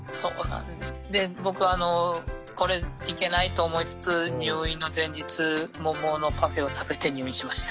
で僕これいけないと思いつつ入院の前日桃のパフェを食べて入院しました。